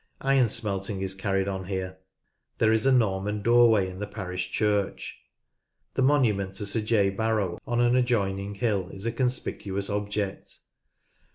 Iron smelting is carried on here. There is a Norman doorway in the parish church. The monument to Sir J. Barrow on an adjoining hill is a conspicuous object.